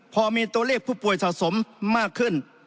พอมีตัวเลขผู้ป่วยสะสมมากขึ้น